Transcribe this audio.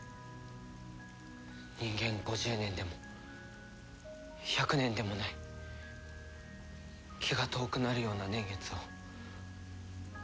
人間五十年でも百年でもない気が遠くなるような年月を。